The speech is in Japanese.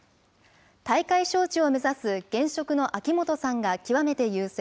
大会招致を目指す現職の秋元さんが極めて優勢。